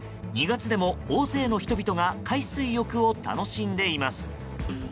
２月でも大勢の人々が海水浴を楽しんでいます。